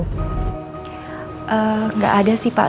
tidak ada pak